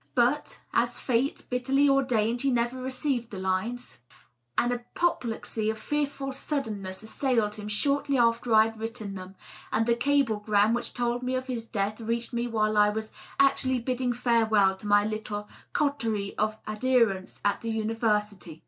But, as fate bitterly ordained, he never received the lines. An apoplexy of fearful suddenness assailed him shortly aft; er I had written them, and the cablegram which told me of his death reached me while I was actually bidding farewell to my little coterie of adherents at the University.